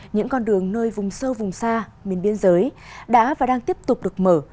những con đường nơi vùng sâu vùng xa miền biên giới đã và đang tiếp tục được mở